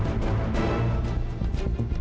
menikah dan bahagia